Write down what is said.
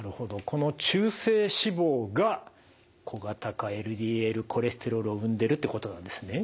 この中性脂肪が小型化ＬＤＬコレステロールを生んでるってことなんですね。